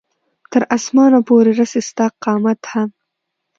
تر اسمانه پورې رسي ستا قامت هم